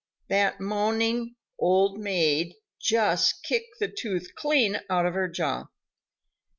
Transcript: That moaning "Old maid" just kicked the tooth clean out of her jaw.